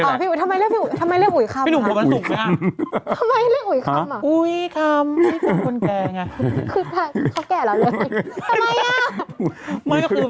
คือแหละเขาแก่เราอยู่ไหนทำไมนะ